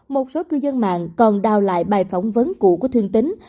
một số cư dân mạng còn đào lại bài phỏng vấn cụ của thương tính